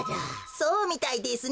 そうみたいですね。